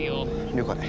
了解。